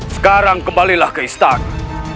sekarang kembalilah ke istana